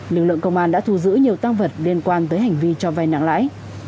lực lượng công an đã thu giữ nhiều tăng vật liên quan tới hành vi cho vay nặng lãi